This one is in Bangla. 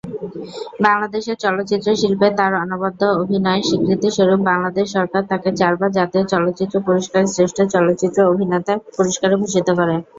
বাংলাদেশের চলচ্চিত্র শিল্পে তার অনবদ্য অভিনয়ের স্বীকৃতিস্বরূপ বাংলাদেশ সরকার তাকে চারবার জাতীয় চলচ্চিত্র পুরস্কারের শ্রেষ্ঠ চলচ্চিত্র অভিনেতার পুরস্কারে ভূষিত করে।